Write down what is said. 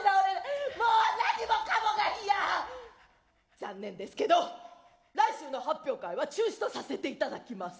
ざんねんですけど来週の発表会は中止とさせていただきます！